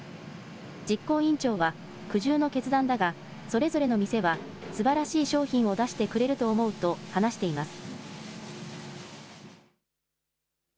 実行委員長は、苦渋の決断だが、それぞれの店はすばらしい商品を出してくれると思うと話しています。